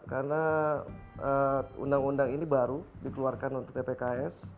karena undang undang ini baru dikeluarkan untuk tpks